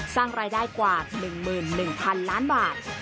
สร้างรายได้กว่า๑๑๐๐๐ล้านบาท